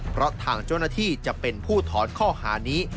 เพราะทางเจ้าหน้าที่จะเป็นผู้ถอนข้อหานี้